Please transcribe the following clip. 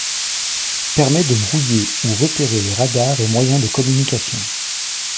Permet de brouiller ou repérer les radars et moyens de communications.